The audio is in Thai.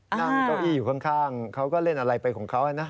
นั่งเก้าอี้อยู่ข้างเขาก็เล่นอะไรไปของเขานะ